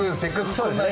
そうですね。